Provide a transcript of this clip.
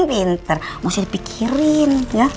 pinter mesti dipikirin